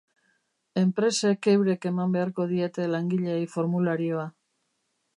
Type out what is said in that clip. Enpresek eurek eman beharko diete langileei formularioa.